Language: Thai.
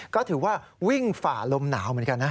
ก็ถือว่าวิ่งฝ่าลมหนาวเหมือนกันนะ